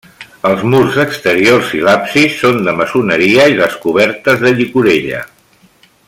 Els murs exteriors i l'absis són de maçoneria i les cobertes de llicorella.